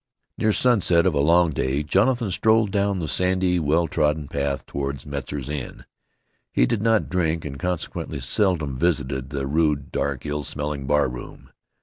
Near sunset of a long day Jonathan strolled down the sandy, well trodden path toward Metzar's inn. He did not drink, and consequently seldom visited the rude, dark, ill smelling bar room.